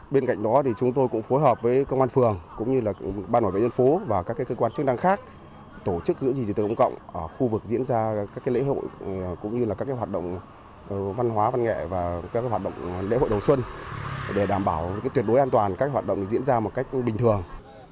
bên cạnh đó thì chúng tôi cũng phối hợp với công an phường cũng như là ban bảo vệ dân phố và các cơ quan chức năng khác tổ chức giữ gìn tự động ở khu vực diễn ra các lễ hội cũng như là các hoạt động văn hóa văn nghệ và các hoạt động lễ hội đầu xuân để đảm bảo tuyệt đối an toàn các hoạt động diễn ra một cách bình thường